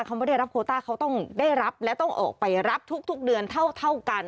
เขาไม่ได้รับโคต้าเขาต้องได้รับและต้องออกไปรับทุกเดือนเท่ากัน